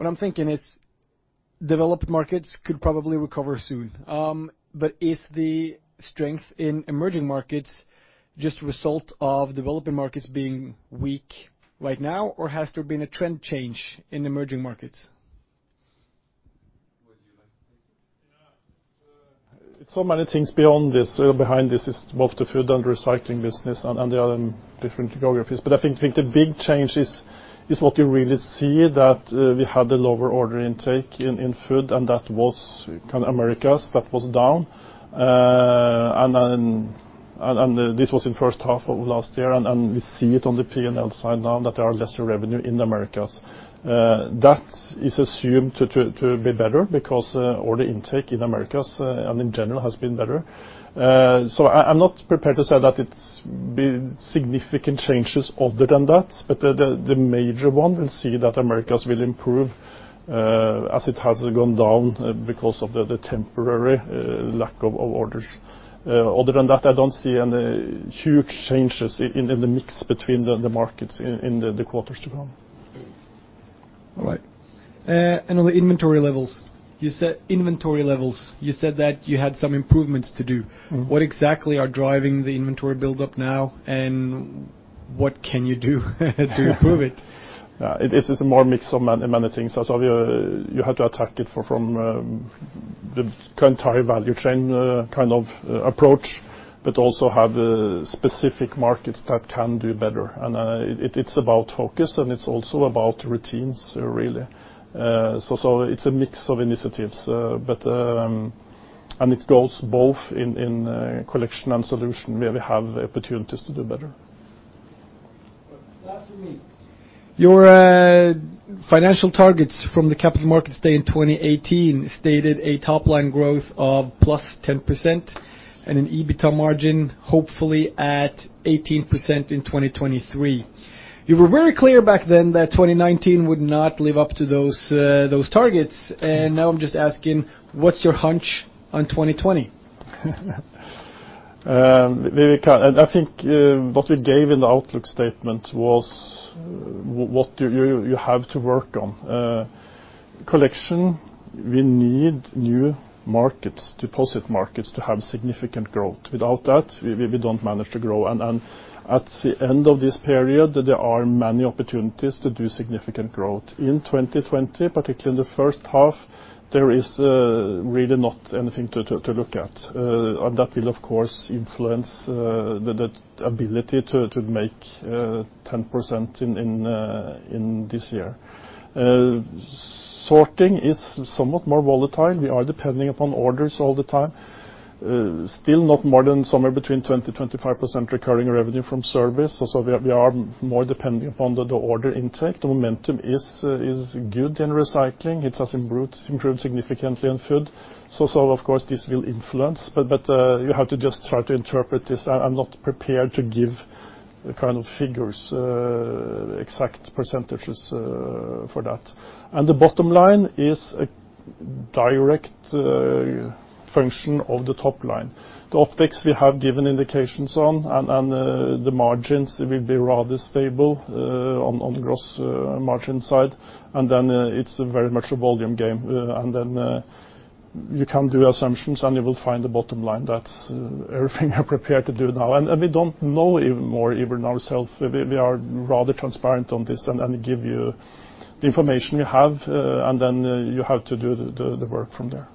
I'm thinking is, developed markets could probably recover soon. Is the strength in emerging markets just a result of developing markets being weak right now, or has there been a trend change in emerging markets? Would you like to take it? Yeah. It's so many things behind this is both the Food and Recycling business and the other different geographies. I think the big change is what you really see, that we had the lower order intake in Food, and that was kind of Americas that was down. This was in first half of last year, and we see it on the P&L side now that there are lesser revenue in the Americas. That is assumed to be better because order intake in Americas, and in general, has been better. I'm not prepared to say that it's been significant changes other than that. The major one, we'll see that Americas will improve as it has gone down because of the temporary lack of orders. Other than that, I don't see any huge changes in the mix between the markets in the quarters to come. All right. On the inventory levels, you said that you had some improvements to do. What exactly are driving the inventory build-up now, and what can you do to improve it? Yeah. It is a more mix of many things. Obviously, you have to attack it from the entire value chain kind of approach, but also have specific markets that can do better. It's about focus, and it's also about routines, really. It's a mix of initiatives, and it goes both in Collection and Solution, where we have opportunities to do better. Last for me. Your financial targets from the Capital Markets Day in 2018 stated a top-line growth of +10% and an EBITDA margin, hopefully at 18% in 2023. You were very clear back then that 2019 would not live up to those targets. Now I'm just asking, what's your hunch on 2020? I think what we gave in the outlook statement was what you have to work on. Collection, we need new markets, deposit markets, to have significant growth. At the end of this period, there are many opportunities to do significant growth. In 2020, particularly in the first half, there is really not anything to look at. That will, of course, influence the ability to make 10% in this year. Sorting is somewhat more volatile. We are depending upon orders all the time. Still not more than somewhere between 20%, 25% recurring revenue from service. We are more depending upon the order intake. The momentum is good in recycling. It has improved significantly in food. Of course, this will influence, but you have to just try to interpret this. I'm not prepared to give kind of figures, exact percentages for that. The bottom line is a direct function of the top line. The OpEx, we have given indications on, and the margins will be rather stable on the gross margin side. Then it's very much a volume game. Then you can do assumptions, and you will find the bottom line. That's everything I'm prepared to do now. We don't know even more even ourselves. We are rather transparent on this and give you the information we have, and then you have to do the work from there.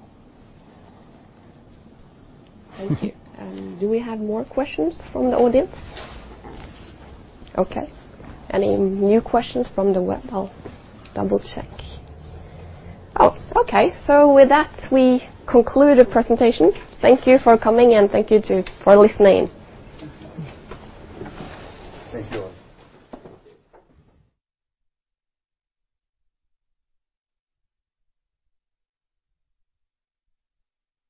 Thank you. Do we have more questions from the audience? Okay. Any new questions from the web? I'll double-check. Oh, okay. With that, we conclude the presentation. Thank you for coming, and thank you too for listening. Thank you.